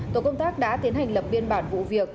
tổ công tác đã tiến hành lập biên bản vụ việc